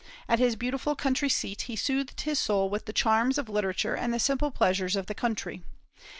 At his beautiful country seat he soothed his soul with the charms of literature and the simple pleasures of the country.